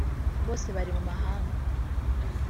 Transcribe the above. bose bari mu mahanga